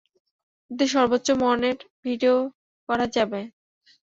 এতে সর্বোচ্চ মানের ভিডিও করা যাবে।